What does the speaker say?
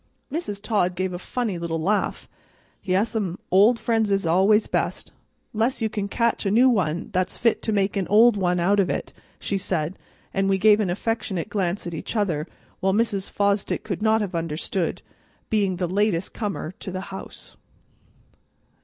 Mrs. Todd gave a funny little laugh. "Yes'm, old friends is always best, 'less you can catch a new one that's fit to make an old one out of," she said, and we gave an affectionate glance at each other which Mrs. Fosdick could not have understood, being the latest comer to the house.